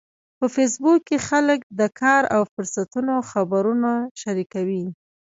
په فېسبوک کې خلک د کار او فرصتونو خبرونه شریکوي